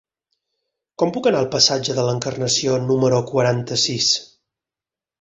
Com puc anar al passatge de l'Encarnació número quaranta-sis?